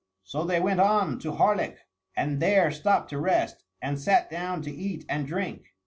So they went on to Harlech and there stopped to rest, and sat down to eat and drink.